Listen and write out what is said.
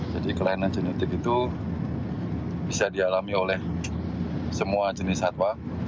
jadi kelainan genetik itu bisa dialami oleh semua jenis satwa